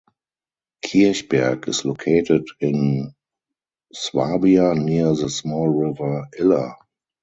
Kirchberg is located in Swabia near the small river Iller.